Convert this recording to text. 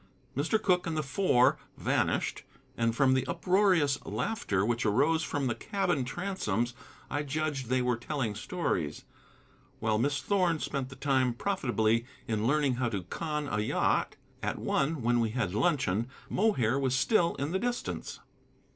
Mr. Cooke and the Four vanished, and from the uproarious laughter which arose from the cabin transoms I judged they were telling stories. While Miss Thorn spent the time profitably in learning how to conn a yacht. At one, when we had luncheon, Mohair was still in the distance.